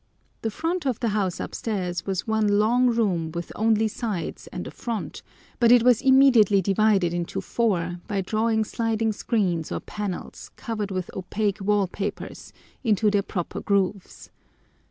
The front of the house upstairs was one long room with only sides and a front, but it was immediately divided into four by drawing sliding screens or panels, covered with opaque wall papers, into their proper grooves.